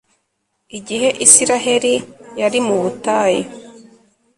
igihe israheli yari mu butayu